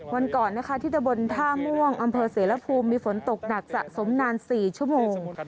วันก่อนนะคะที่ตะบนท่าม่วงอำเภอเสรภูมิมีฝนตกหนักสะสมนาน๔ชั่วโมง